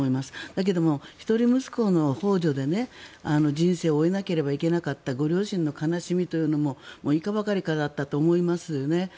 だけども、一人息子のほう助で人生を終えなければならなかったご両親の悲しみというのもいかばかりだったかなと思いますよね。